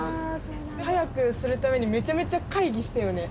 速くするためにめちゃめちゃ会議したよね。